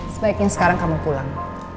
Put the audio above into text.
sebaiknya sekarang kamu pulang